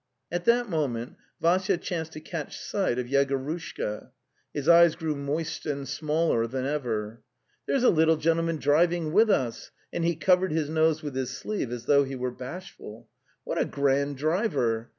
At that moment Vassya chanced to catch sight of Yegorushka. His eyes grew moist and smaller than ever. '"There's a little gentleman driving with us," and he covered his nose with his sleeve as though he were bashful. '' What a grand driver!